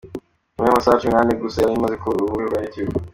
Nyuma y’amasaha cumi n’ane gusa yari imaze ku rubuga rwa YouTube.